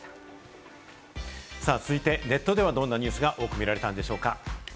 続いて、ネットではどんなニュースが多く見られたんでしょうか。